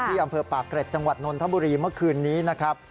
อำเภอปากเกร็ดจังหวัดนนทบุรีเมื่อคืนนี้นะครับ